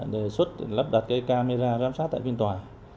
đề xuất lắp đặt camera giám sát tại phiên tòa